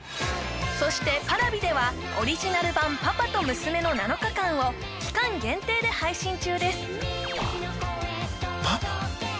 そしてＰａｒａｖｉではオリジナル版「パパとムスメの７日間」を期間限定で配信中ですパパ？